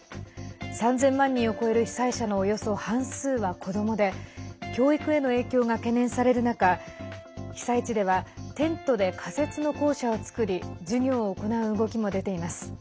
３０００万人を超える被災者のおよそ半数は子どもで教育への影響が懸念される中被災地ではテントで仮設の校舎を作り授業を行う動きも出ています。